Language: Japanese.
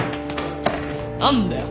何だよ